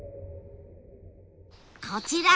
こちら！